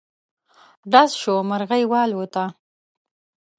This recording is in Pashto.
ډز شو، مرغی والوته.